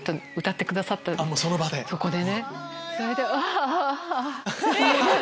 そこでね。